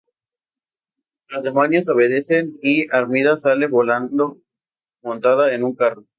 Los demonios obedecen y Armida sale volando montada en un carro.